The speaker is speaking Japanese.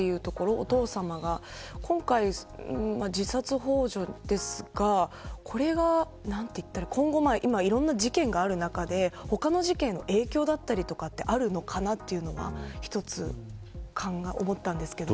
お父さまが今回、自殺ほう助ですがこれは今後、いろんな事件がある中で他の事件への影響だったりとかあるのかなというのが一つ思ったんですけれども。